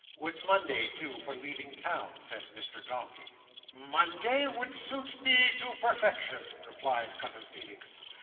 "Would Monday do for leaving town?" says Mr Dombey. "Monday would suit me to perfection," replies Cousin Feenix.